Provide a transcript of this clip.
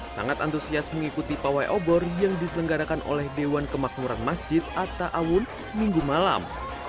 sangat antusias mengikuti pawai obor yang diselenggarakan oleh dewan kemakmuran masjid atta awun minggu malam